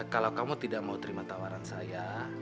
kalau kamu tidak mau terima tawaran saya